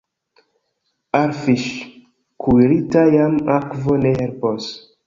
Al fiŝ' kuirita jam akvo ne helpos.